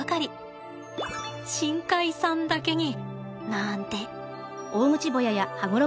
深海さんだけになんて。